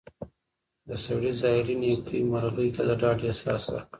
د سړي ظاهري نېکۍ مرغۍ ته د ډاډ احساس ورکړ.